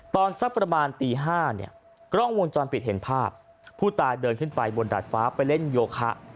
สักประมาณตี๕เนี่ยกล้องวงจรปิดเห็นภาพผู้ตายเดินขึ้นไปบนดาดฟ้าไปเล่นโยคะ